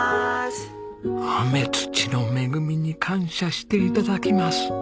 天地の恵みに感謝していただきます。